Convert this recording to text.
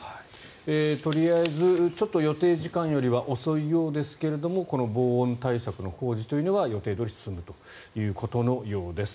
とりあえず、ちょっと予定時間よりは遅いようですがこの防音対策の工事というのは予定どおり進むということのようです。